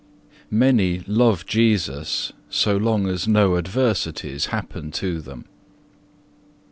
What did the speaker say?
Many love Jesus so long as no adversities happen to them.